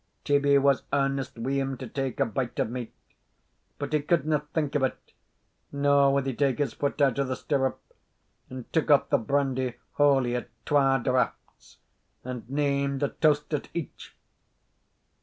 Tibbie was earnest wi' him to take a bite of meat, but he couldna think o' 't, nor would he take his foot out of the stirrup, and took off the brandy, wholely at twa draughts, and named a toast at each.